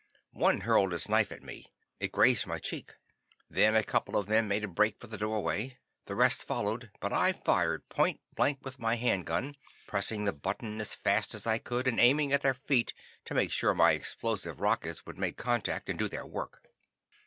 One hurled his knife at me. It grazed my cheek. Then a couple of them made a break for the doorway. The rest followed. But I fired pointblank with my hand gun, pressing the button as fast as I could and aiming at their feet to make sure my explosive rockets would make contact and do their work.